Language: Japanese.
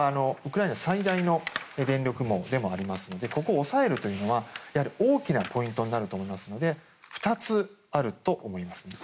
ウクライナ最大の電力網でもありますのでここを押さえるというのは大きなポイントになると思いますので２つあると思います。